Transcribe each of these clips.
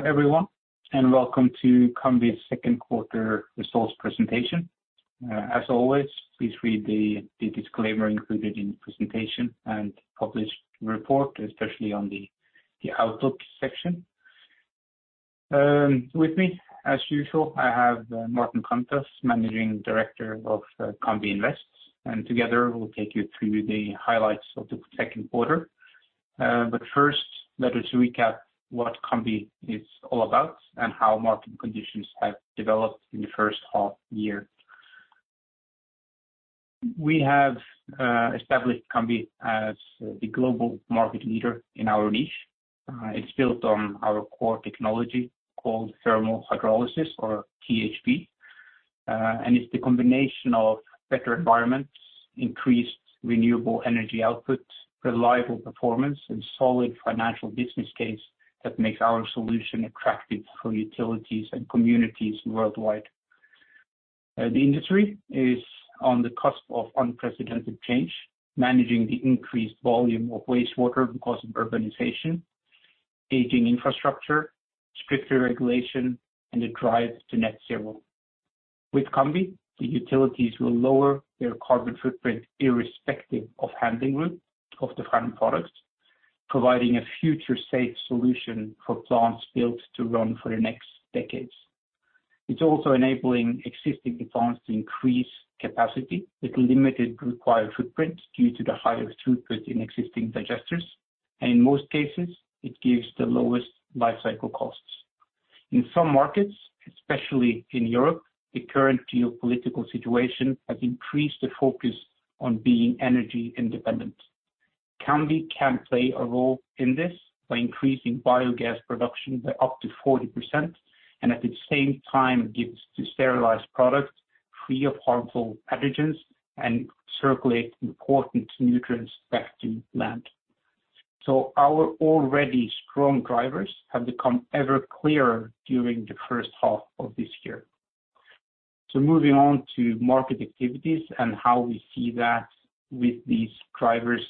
Hello everyone, and welcome to Cambi's second quarter results presentation. As always, please read the disclaimer included in the presentation and published report, especially on the outlook section. With me, as usual, I have Maarten Kanters, Managing Director of Cambi Invest, and together we'll take you through the highlights of the second quarter. First, let us recap what Cambi is all about and how market conditions have developed in the first half year. We have established Cambi as the global market leader in our niche. It's built on our core technology called Thermal Hydrolysis, or THP. It's the combination of better environments, increased renewable energy output, reliable performance, and solid financial business case that makes our solution attractive for utilities and communities worldwide. The industry is on the cusp of unprecedented change, managing the increased volume of wastewater because of urbanization, aging infrastructure, stricter regulation, and the drive to net zero. With Cambi, the utilities will lower their carbon footprint irrespective of handling route of the final products, providing a future safe solution for plants built to run for the next decades. It's also enabling existing plants to increase capacity with limited required footprint due to the higher throughput in existing digesters, and in most cases, it gives the lowest lifecycle costs. In some markets, especially in Europe, the current geopolitical situation has increased the focus on being energy independent. Cambi can play a role in this by increasing biogas production by up to 40% and at the same time gives the sterilized product free of harmful pathogens and circulate important nutrients back to land. Our already strong drivers have become ever clearer during the first half of this year. Moving on to market activities and how we see that with these drivers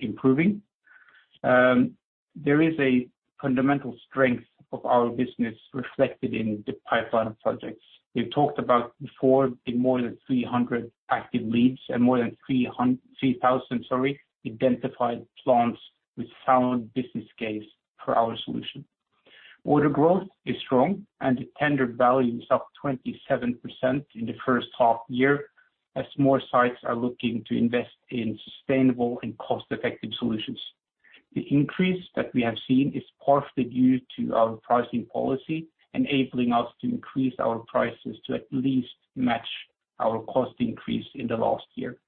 improving. There is a fundamental strength of our business reflected in the pipeline of projects. We've talked about before the more than 300 active leads and more than 3,000 identified plants with sound business case for our solution. Order growth is strong, and the tender value is up 27% in the first half year as more sites are looking to invest in sustainable and cost-effective solutions. The increase that we have seen is partly due to our pricing policy, enabling us to increase our prices to at least match our cost increase in the last year.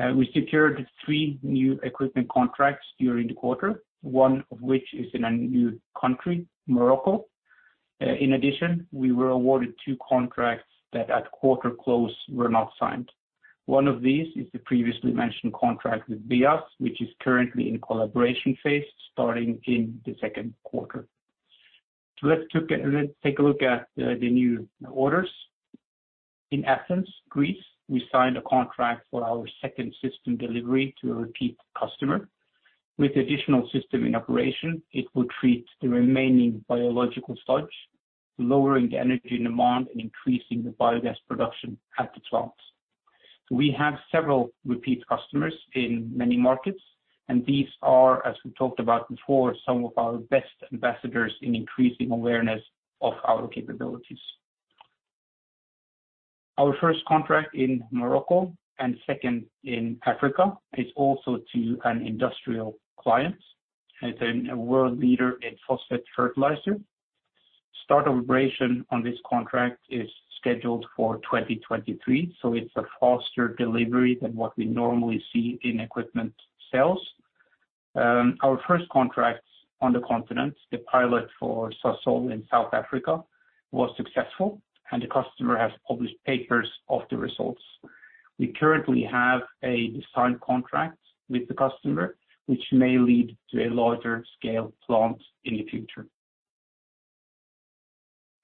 We secured 3 new equipment contracts during the quarter, one of which is in a new country, Morocco. In addition, we were awarded 2 contracts that at quarter close were not signed. One of these is the previously mentioned contract with Veolia, which is currently in collaboration phase starting in the second quarter. Let's take a look at the new orders. In Athens, Greece, we signed a contract for our second system delivery to a repeat customer. With additional system in operation, it will treat the remaining biological sludge, lowering the energy demand and increasing the biogas production at the plants. We have several repeat customers in many markets, and these are, as we talked about before, some of our best ambassadors in increasing awareness of our capabilities. Our first contract in Morocco and second in Africa is also to an industrial client, it's a world leader in phosphate fertilizer. Start of operation on this contract is scheduled for 2023, so it's a faster delivery than what we normally see in equipment sales. Our first contracts on the continent, the pilot for Sasol in South Africa, was successful and the customer has published papers of the results. We currently have a signed contract with the customer, which may lead to a larger scale plant in the future.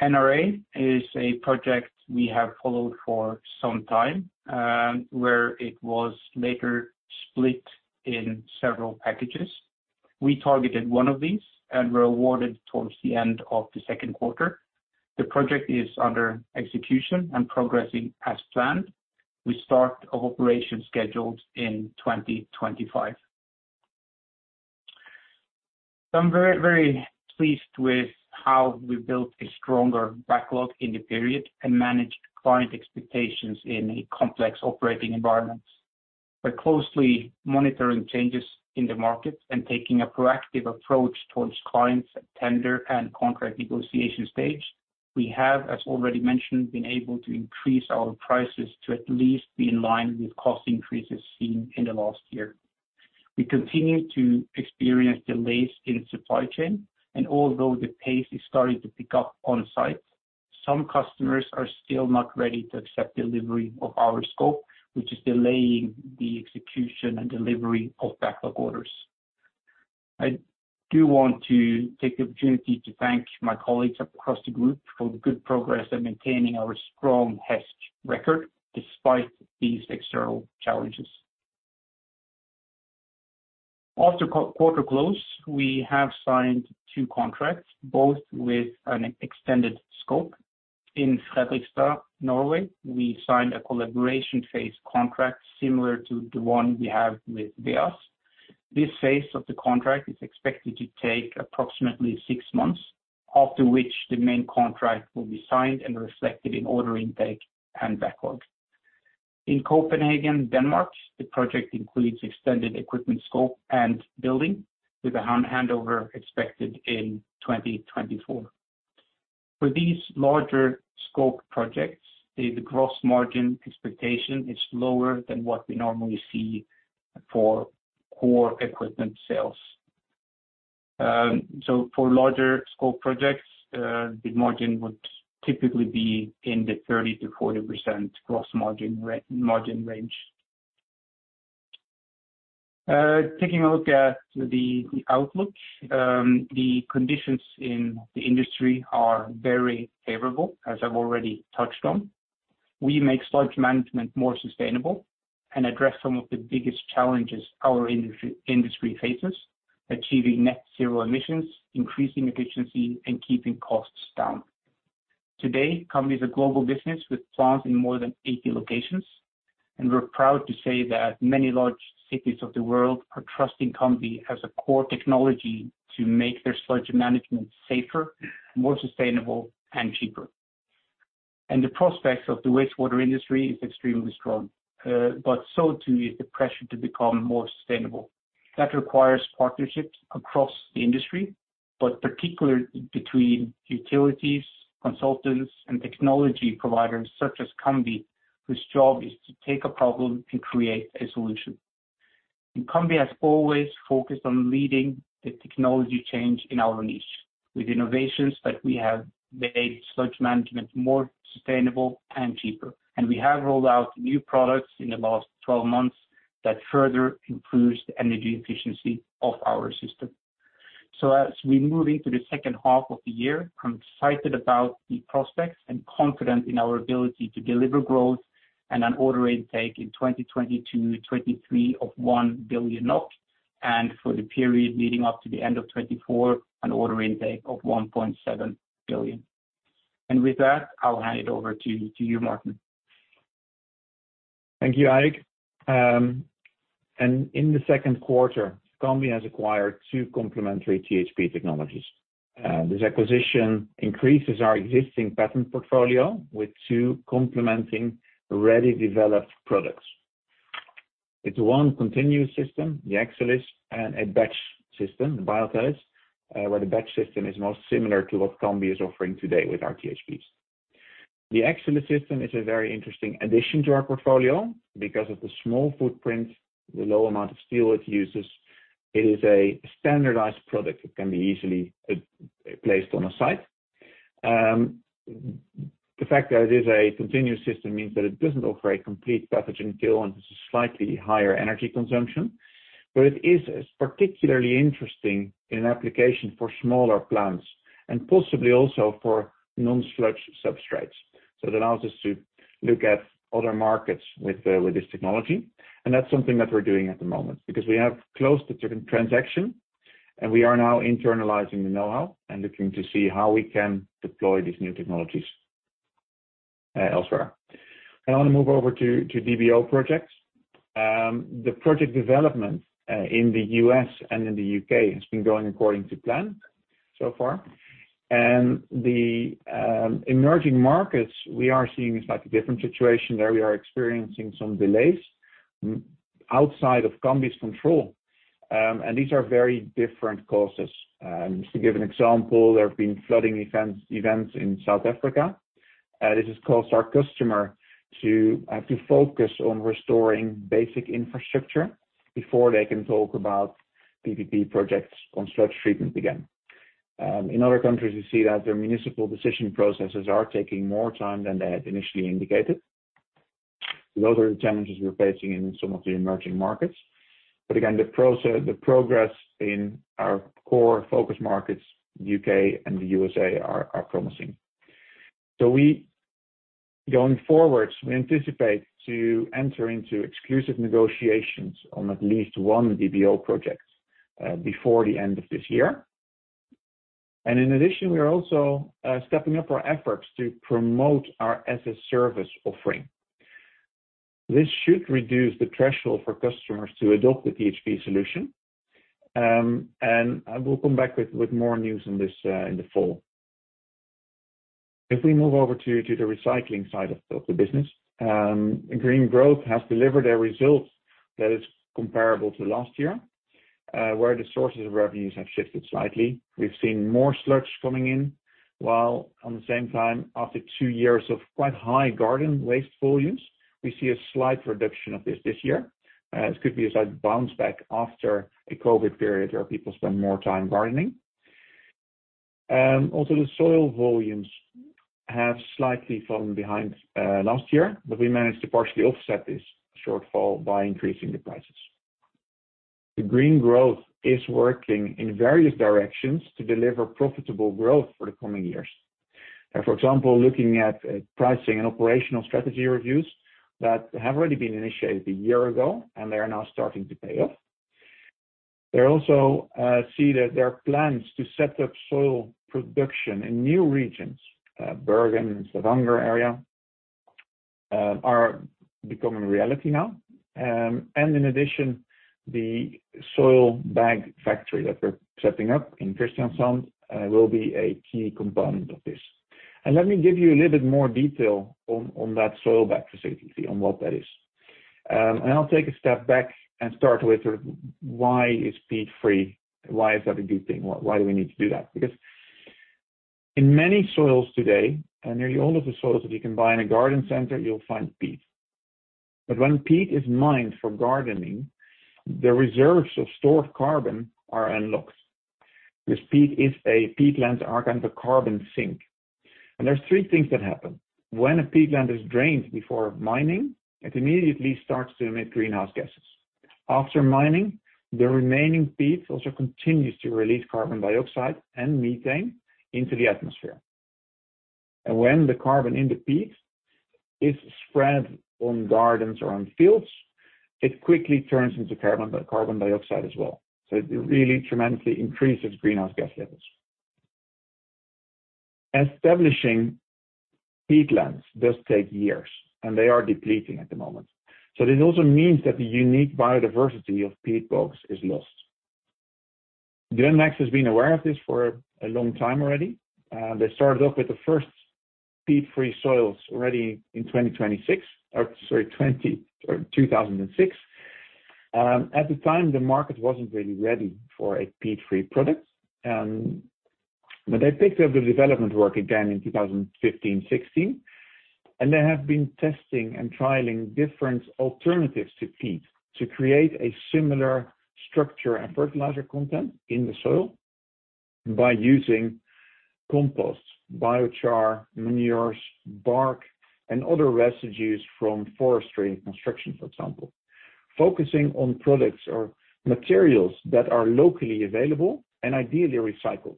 NRA is a project we have followed for some time, where it was later split in several packages. We targeted one of these and were awarded towards the end of the second quarter. The project is under execution and progressing as planned, with start of operation scheduled in 2025. I'm very, very pleased with how we built a stronger backlog in the period and managed client expectations in a complex operating environment. By closely monitoring changes in the market and taking a proactive approach towards clients at tender and contract negotiation stage, we have, as already mentioned, been able to increase our prices to at least be in line with cost increases seen in the last year. We continue to experience delays in supply chain, and although the pace is starting to pick up on site, some customers are still not ready to accept delivery of our scope, which is delaying the execution and delivery of backlog orders. I do want to take the opportunity to thank my colleagues across the group for the good progress and maintaining our strong HSEQ record despite these external challenges. After quarter close, we have signed 2 contracts, both with an extended scope. In Fredrikstad, Norway, we signed a collaboration phase contract similar to the one we have with Veas. This phase of the contract is expected to take approximately 6 months, after which the main contract will be signed and reflected in order intake and backlog. In Copenhagen, Denmark, the project includes extended equipment scope and building with a handover expected in 2024. For these larger scope projects, the gross margin expectation is lower than what we normally see for core equipment sales. For larger scope projects, the margin would typically be in the 30%-40% gross margin range. Taking a look at the outlook, the conditions in the industry are very favorable, as I've already touched on. We make sludge management more sustainable and address some of the biggest challenges our industry faces, achieving net zero emissions, increasing efficiency, and keeping costs down. Today, Cambi is a global business with plants in more than 80 locations, and we're proud to say that many large cities of the world are trusting Cambi as a core technology to make their sludge management safer, more sustainable, and cheaper. The prospects of the wastewater industry is extremely strong, but so too is the pressure to become more sustainable. That requires partnerships across the industry, but particularly between utilities, consultants, and technology providers such as Cambi, whose job is to take a problem and create a solution. Cambi has always focused on leading the technology change in our niche with innovations that we have made sludge management more sustainable and cheaper. We have rolled out new products in the last 12 months that further improves the energy efficiency of our system. As we move into the second half of the year, I'm excited about the prospects and confident in our ability to deliver growth and an order intake in 2022-2023 of 1 billion NOK. For the period leading up to the end of 2024, an order intake of 1.7 billion. With that, I'll hand it over to you, Maarten. Thank you, Eirik. In the second quarter, Cambi has acquired 2 complementary THP technologies. This acquisition increases our existing patent portfolio with 2 complementing ready developed products. It's one continuous system, the Exelys, and a batch system, the Biotilis, where the batch system is most similar to what Cambi is offering today with our THPs. The Exelys system is a very interesting addition to our portfolio because of the small footprint, the low amount of steel it uses. It is a standardized product that can be easily placed on a site. The fact that it is a continuous system means that it doesn't offer a complete pathogen kill and has a slightly higher energy consumption. It is particularly interesting in application for smaller plants and possibly also for non-sludge substrates. It allows us to look at other markets with this technology, and that's something that we're doing at the moment because we have closed the transaction and we are now internalizing the know-how and looking to see how we can deploy these new technologies elsewhere. I wanna move over to DBO projects. The project development in the U.S. and in the U.K. has been going according to plan so far. The emerging markets, we are seeing a slightly different situation. There we are experiencing some delays outside of Cambi's control, and these are very different causes. Just to give an example, there have been flooding events in South Africa. This has caused our customer to have to focus on restoring basic infrastructure before they can talk about PPP projects on sludge treatment again. In other countries, we see that their municipal decision processes are taking more time than they had initially indicated. Those are the challenges we're facing in some of the emerging markets. Again, the progress in our core focus markets, UK and the USA, are promising. Going forward, we anticipate to enter into exclusive negotiations on at least one DBO project before the end of this year. In addition, we are also stepping up our efforts to promote our as a service offering. This should reduce the threshold for customers to adopt the THP solution. I will come back with more news on this in the fall. If we move over to the recycling side of the business, Grønn Vekst has delivered a result that is comparable to last year, where the sources of revenues have shifted slightly. We've seen more sludge coming in, while at the same time, after 2 years of quite high garden waste volumes, we see a slight reduction of this year. It could be a bounce back after a COVID period where people spend more time gardening. Also the soil volumes have slightly fallen behind last year, but we managed to partially offset this shortfall by increasing the prices. Grønn Vekst is working in various directions to deliver profitable growth for the coming years. For example, looking at pricing and operational strategy reviews that have been initiated a year ago and they are now starting to pay off. They also see that there are plans to set up soil production in new regions, Bergen and Stavanger area, are becoming reality now. In addition, the soil bag factory that we're setting up in Kristiansand will be a key component of this. Let me give you a little bit more detail on that soil bag facility on what that is. I'll take a step back and start with sort of why is peat-free, why is that a good thing? Why do we need to do that? Because in many soils today, and nearly all of the soils that you can buy in a garden center, you'll find peat. But when peat is mined for gardening, the reserves of stored carbon are unlocked. This peat is a peatland, a carbon sink. There's 3 things that happen. When a peatland is drained before mining, it immediately starts to emit greenhouse gases. After mining, the remaining peat also continues to release carbon dioxide and methane into the atmosphere. When the carbon in the peat is spread on gardens or on fields, it quickly turns into carbon dioxide as well. It really tremendously increases greenhouse gas levels. Establishing peatlands does take years, and they are depleting at the moment. This also means that the unique biodiversity of peat bogs is lost. Glenmax has been aware of this for a long time already. They started off with the first peat-free soils already in 2006. At the time, the market wasn't really ready for a peat-free product. They picked up the development work again in 2015, 2016, and they have been testing and trialing different alternatives to peat to create a similar structure and fertilizer content in the soil by using compost, biochar, manures, bark, and other residues from forestry and construction, for example, focusing on products or materials that are locally available and ideally recycled.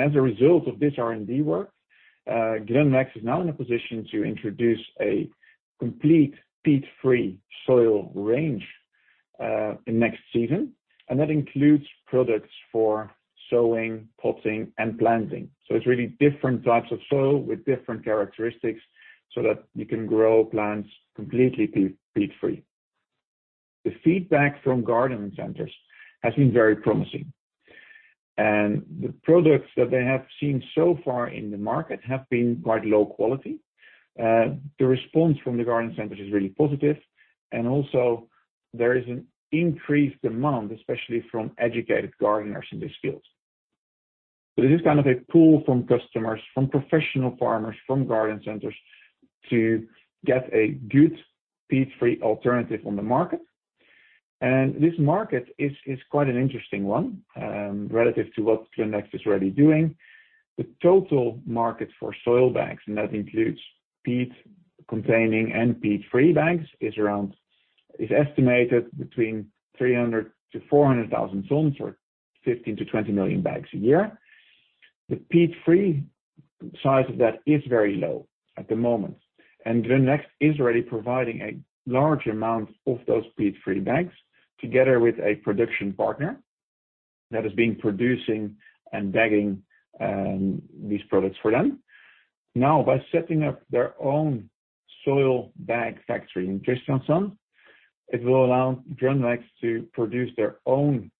As a result of this R&D work, Glenmax is now in a position to introduce a complete peat-free soil range, in next season, and that includes products for sowing, potting, and planting. It's really different types of soil with different characteristics so that you can grow plants completely peat-free. The feedback from garden centers has been very promising, and the products that they have seen so far in the market have been quite low quality. The response from the garden centers is really positive, and also there is an increased demand, especially from educated gardeners in this field. This is kind of a pull from customers, from professional farmers, from garden centers to get a good peat-free alternative on the market. This market is quite an interesting one, relative to what Glenmax is already doing. The total market for soil bags, and that includes peat-containing and peat-free bags, is estimated between 300-400,000 tons, or 15-20 million bags a year. The peat-free size of that is very low at the moment, and Glenmax is already providing a large amount of those peat-free bags together with a production partner that has been producing and bagging these products for them. Now, by setting up their own soil bag factory in Kristiansand, it will allow Glenmax to produce their own,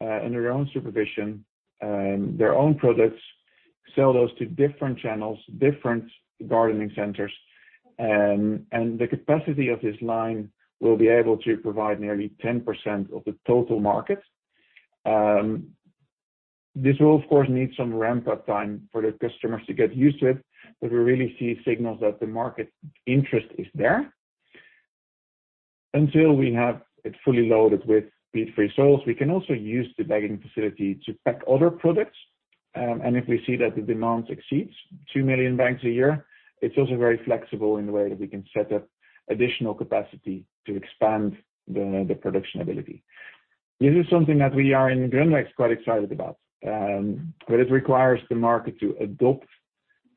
under their own supervision, their own products, sell those to different channels, different gardening centers, and the capacity of this line will be able to provide nearly 10% of the total market. This will of course need some ramp-up time for the customers to get used to it, but we really see signals that the market interest is there. Until we have it fully loaded with peat-free soils, we can also use the bagging facility to pack other products. If we see that the demand exceeds 2 million bags a year, it's also very flexible in the way that we can set up additional capacity to expand the production ability. This is something that we are in Grønn Vekst quite excited about, but it requires the market to adopt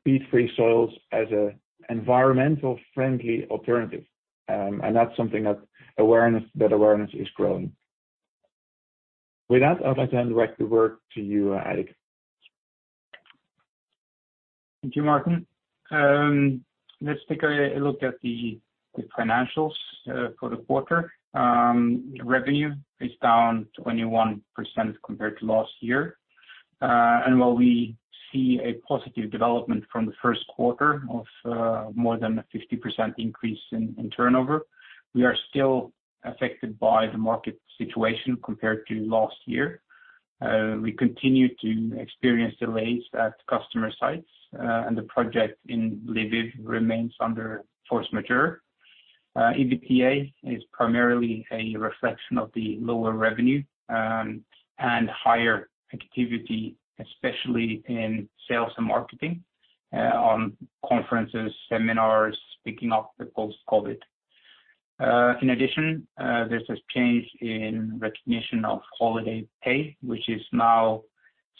peat-free soils as an environmentally friendly alternative. That's something. The awareness is growing. With that, I'd like to hand back the work to you, Eirik. Thank you, Maarten. Let's take a look at the financials for the quarter. Revenue is down 21% compared to last year. While we see a positive development from the first quarter of more than a 50% increase in turnover, we are still affected by the market situation compared to last year. We continue to experience delays at customer sites, and the project in Lviv remains under force majeure. EBITDA is primarily a reflection of the lower revenue and higher activity, especially in sales and marketing, on conferences, seminars, picking up post-COVID. In addition, there's this change in recognition of holiday pay, which is now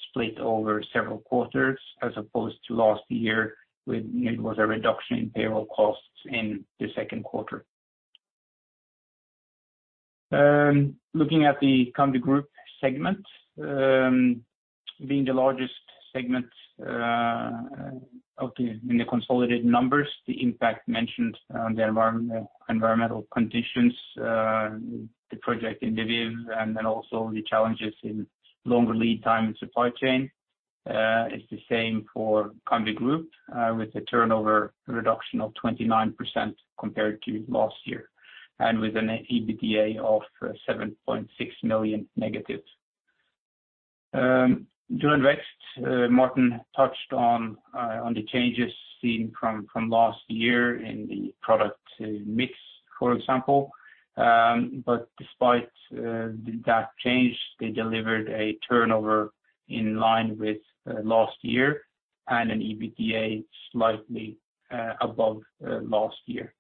split over several quarters as opposed to last year when it was a reduction in payroll costs in the second quarter. Looking at the Cambi Group segment, being the largest segment, in the consolidated numbers, the impact mentioned on the environment, environmental conditions, the project in Lviv, and then also the challenges in longer lead time and supply chain. It's the same for Cambi Group, with a turnover reduction of 29% compared to last year, and with an EBITDA of -7.6 million. Cambi Invest, Maarten touched on the changes seen from last year in the product mix, for example. Despite that change, they delivered a turnover in line with last year and an EBITDA slightly above last year.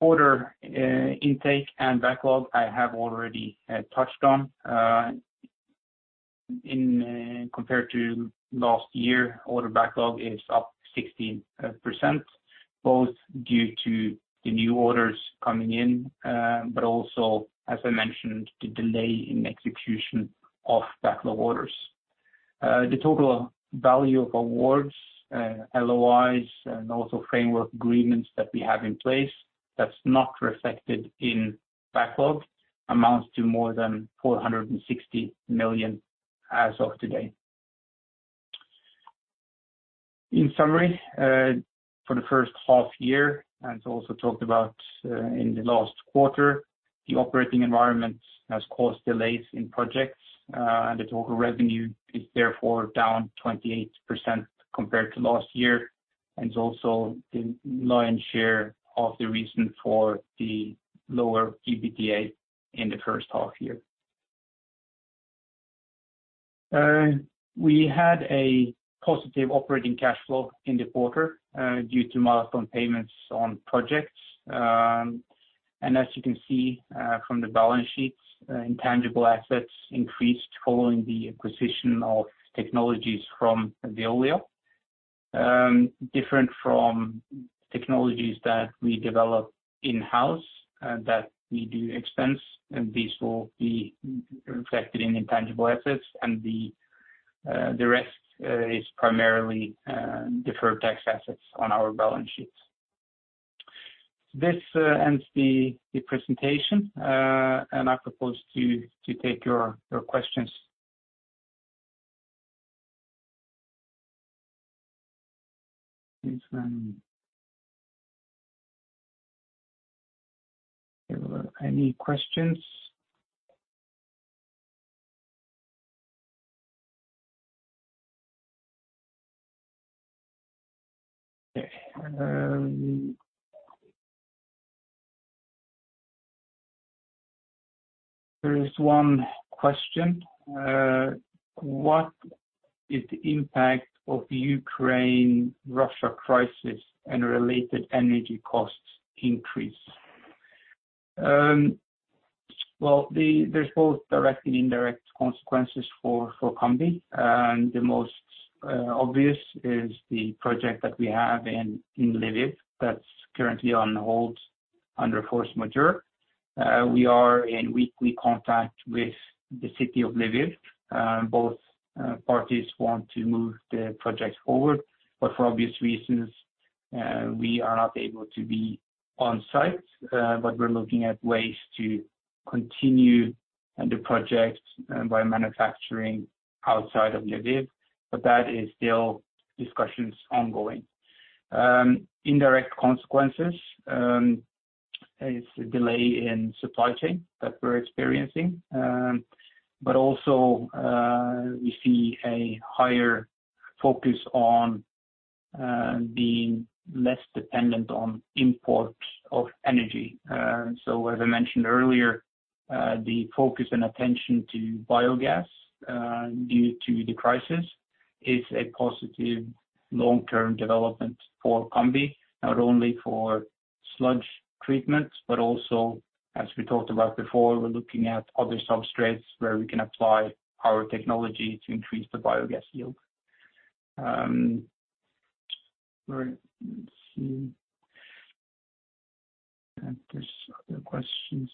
Order intake and backlog, I have already touched on. Compared to last year, order backlog is up 60%, both due to the new orders coming in, but also, as I mentioned, the delay in execution of backlog orders. The total value of awards, LOIs, and also framework agreements that we have in place that's not reflected in backlog amounts to more than 460 million as of today. In summary, for the first half year, and it's also talked about, in the last quarter, the operating environment has caused delays in projects, and the total revenue is therefore down 28% compared to last year. It's also the lion's share of the reason for the lower EBITDA in the first half year. We had a positive operating cash flow in the quarter due to milestone payments on projects. As you can see from the balance sheets, intangible assets increased following the acquisition of technologies from Veolia, different from technologies that we develop in-house that we do expense, and these will be reflected in intangible assets. The rest is primarily deferred tax assets on our balance sheets. This ends the presentation, and I propose to take your questions. Any questions? Okay. There is 1 question. What is the impact of the Ukraine-Russia crisis and related energy costs increase? Well, there's both direct and indirect consequences for Cambi. The most obvious is the project that we have in Lviv that's currently on hold under force majeure. We are in weekly contact with the City of Lviv. Both parties want to move the project forward, but for obvious reasons, we are not able to be on site. We're looking at ways to continue the project by manufacturing outside of Lviv, but that is still discussions ongoing. Indirect consequences is a delay in supply chain that we're experiencing. Also, we see a higher focus on being less dependent on imports of energy. As I mentioned earlier, the focus and attention to biogas due to the crisis is a positive long-term development for Cambi, not only for sludge treatment, but also, as we talked about before, we're looking at other substrates where we can apply our technology to increase the biogas yield. All right. Let's see. There's other questions.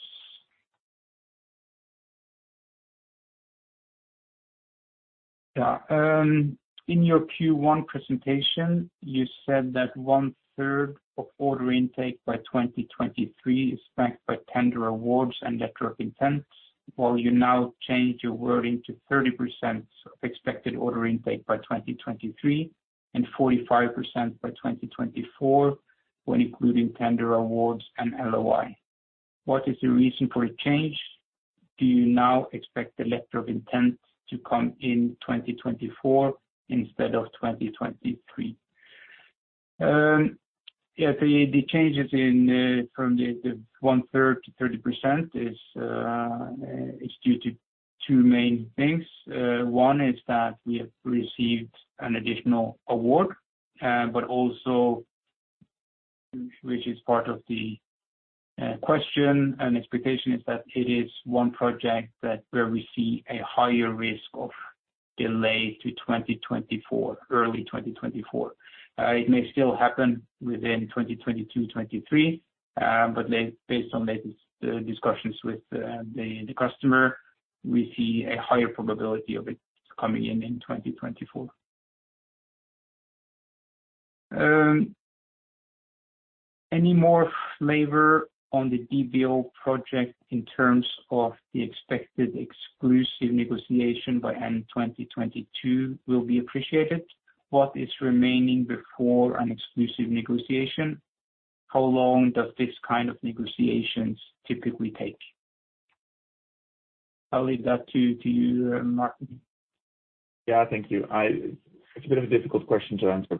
Yeah. In your Q1 presentation, you said that 1/3 of order intake by 2023 is backed by tender awards and letter of intent, while you now change your wording to 30% of expected order intake by 2023 and 45% by 2024 when including tender awards and LOI. What is the reason for a change? Do you now expect the letter of intent to come in 2024 instead of 2023? Yeah, the changes from the 1/3 to 30% is due to 2 main things. 1 is that we have received an additional award, but also, which is part of the question and expectation is that it is one project that where we see a higher risk of delay to 2024, early 2024. It may still happen within 2022, 2023, but late based on latest discussions with the customer, we see a higher probability of it coming in in 2024. Any more flavor on the DBO project in terms of the expected exclusive negotiation by end 2022 will be appreciated. What is remaining before an exclusive negotiation? How long does this kind of negotiations typically take? I'll leave that to you, Maarten. Yeah. Thank you. It's a bit of a difficult question to answer.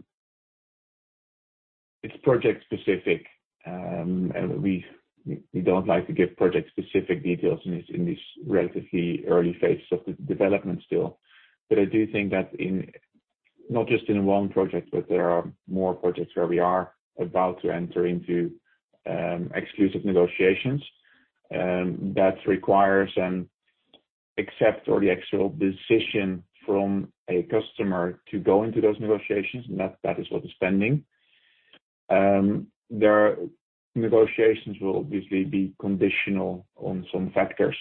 It's project-specific, and we don't like to give project-specific details in this relatively early phase of the development still. I do think that in not just one project, but there are more projects where we are about to enter into exclusive negotiations that requires an acceptance or the actual decision from a customer to go into those negotiations, and that is what is pending. Their negotiations will obviously be conditional on some factors,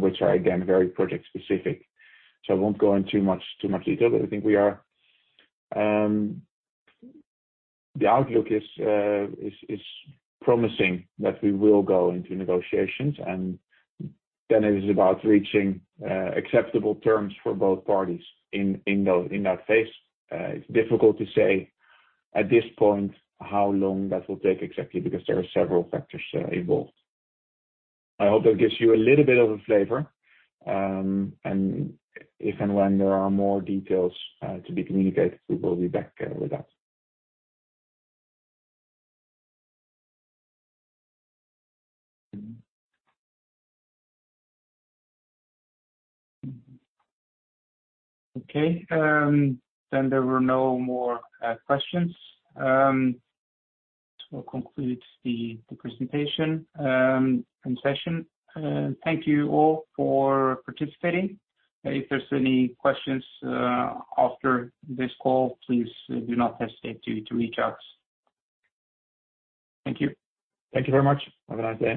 which are, again, very project-specific. I won't go in too much detail, but I think we are. The outlook is promising that we will go into negotiations, and then it is about reaching acceptable terms for both parties in that phase. It's difficult to say at this point how long that will take exactly because there are several factors involved. I hope that gives you a little bit of a flavor. If and when there are more details to be communicated, we will be back with that. Okay. Then there were no more questions. Concludes the presentation and session. Thank you all for participating. If there's any questions after this call, please do not hesitate to reach out. Thank you. Thank you very much. Have a nice day.